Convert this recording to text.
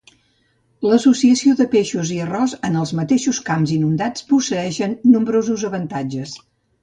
L'associació de peixos i arròs en els mateixos camps inundats posseeix nombrosos avantatges.